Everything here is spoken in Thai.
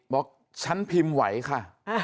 บอกฉันพิมพ์ไหวค่ะ